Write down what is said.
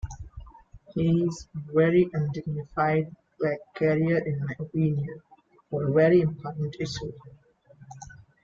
He's a very undignified flag-carrier, in my opinion, for a very important issue.